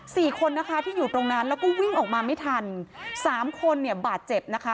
สี่คนนะคะที่อยู่ตรงนั้นแล้วก็วิ่งออกมาไม่ทันสามคนเนี่ยบาดเจ็บนะคะ